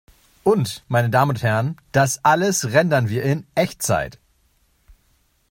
Und, meine Damen und Herren, das alles rendern wir in Echtzeit!